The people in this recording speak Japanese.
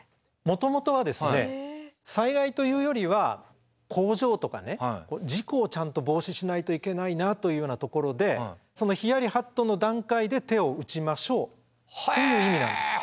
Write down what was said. もともとは災害というよりは工場とか事故をちゃんと防止しないといけないなというようなところでそのヒヤリハットの段階で手を打ちましょうという意味なんです。